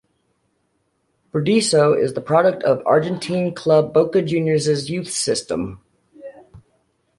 Burdisso is the product of Argentine club Boca Juniors's youth system.